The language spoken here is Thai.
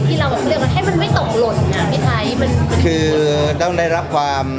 เราแบบเลือกมันให้มันไม่ตกหล่นอ่ะพี่ไทยมันคือต้องได้รับความ